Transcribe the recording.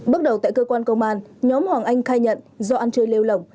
bước đầu tại cơ quan công an nhóm hoàng anh khai nhận do ăn chơi lêu lỏng